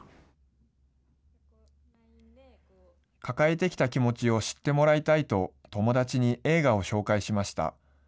抱えてきた気持ちを知ってもらいたいと、友達に映画を紹介しました。